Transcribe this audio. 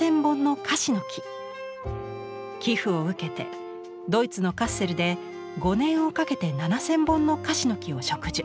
寄付を受けてドイツのカッセルで５年をかけて７０００本の樫の木を植樹。